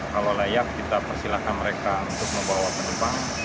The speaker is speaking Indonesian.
kalau layak kita persilahkan mereka untuk membawa penumpang